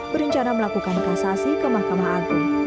berencana melakukan kasasi ke mahkamah agung